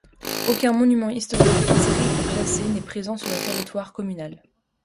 Aucun monument historique inscrit ou classé n'est présent sur le territoire communal.